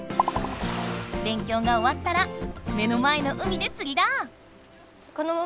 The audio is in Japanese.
勉強がおわったら目の前の海でつりだ！